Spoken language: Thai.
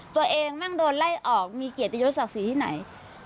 ตัวเองมันโดนไล่ออกมีเกียรติยศสักษีที่ไหน